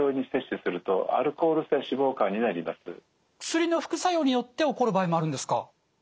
薬の副作用によって起こる場合もあるんですか？